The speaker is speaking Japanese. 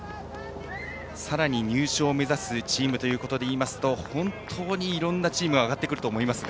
さらに入賞を目指すチームでいうと本当にいろんなチームが挙がってくると思いますが。